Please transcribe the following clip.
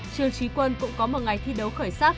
trương trí quân cũng có một ngày thi đấu khởi sắc